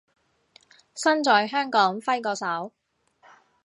身在香港揮個手